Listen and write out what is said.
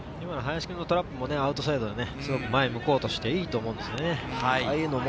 林君のトラップもアウトサイドで前を向こうとしていいと思うんですよね。